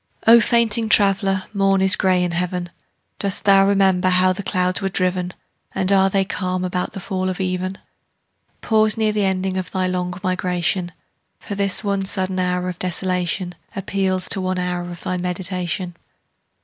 O fainting traveller, morn is gray in heaven. Dost thou remember how the clouds were driven? And are they calm about the fall of even? Pause near the ending of thy long migration; For this one sudden hour of desolation Appeals to one hour of thy meditation.